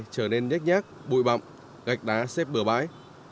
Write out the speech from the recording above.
trở nên nhét nhát bụi bậm gạch đá xếp bờ bãi